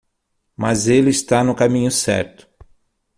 Mas ele está no caminho certo.